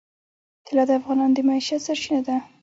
طلا د افغانانو د معیشت سرچینه ده.